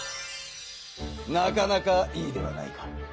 なかなかいいではないか。